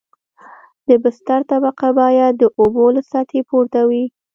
د بستر طبقه باید د اوبو له سطحې پورته وي